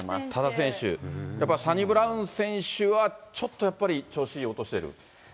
やっぱ、サニブラウン選手は、ちょっとやっぱり調子を落としてる？